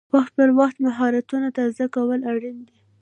وخت پر وخت مهارتونه تازه کول اړین دي.